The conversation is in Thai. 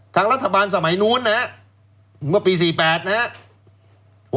ทางรัฐบาลสมัยนู้นนะฮะหรือว่าปี๔๘นะฮะ